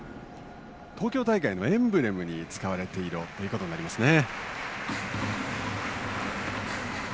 東京大会のエンブレムに使われている色ということになりますね。